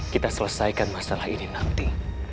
kita selesaikan masalah ini nanti